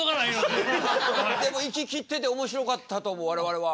でもいききってておもしろかったと思う我々は。